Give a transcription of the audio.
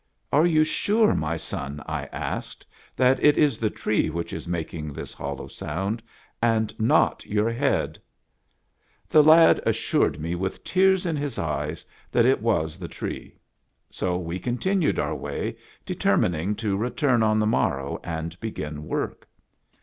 " Are you sure, my son," I asked, " that it is the tree which is making this hollow sound, and not your head ?" The lad assured me with tears in his eyes that it was the tree ; so we continued our way, determining to return on the morrow and begin work.